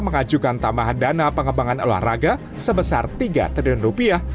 mengajukan tambahan dana pengembangan olahraga sebesar tiga triliun rupiah